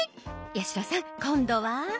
八代さん今度は。